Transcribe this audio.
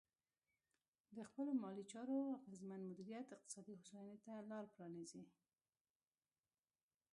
د خپلو مالي چارو اغېزمن مدیریت اقتصادي هوساینې ته لار پرانیزي.